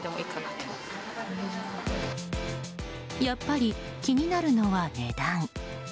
やっぱり気になるのは値段。